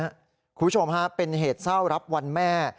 คุณผู้ชมฮะเป็นเหตุเศร้ารับวันแม่